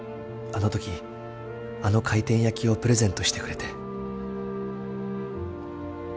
あの時あの回転焼きをプレゼントしてくれて。